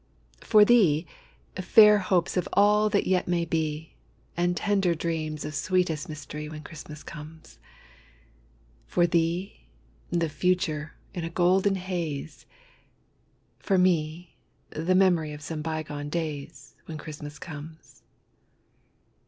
For thee, fair hopes of all that yet may be, And tender dreams of sweetest mystery, When Christmas comes. For thee, the future in a golden haze, For me, the memory of some bygone days, When Christmas comes.